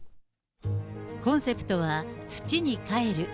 コンセプトは、土にかえる。